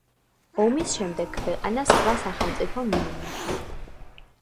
ომის შემდეგ, ქვეყანა სხვა სახელმწიფომ მიიერთა.